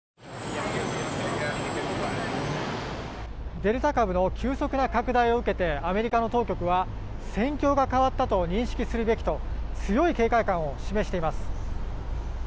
デルタ株の急速な拡大を受けてアメリカの当局は戦況が変わったと認識するべきと強い警戒感を示しています。